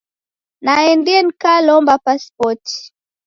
Naendie nikalomba pasipoti.